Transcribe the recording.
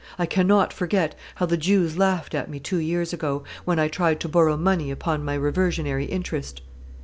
I cannot forget how the Jews laughed at me two years ago, when I tried to borrow money upon my reversionary interest.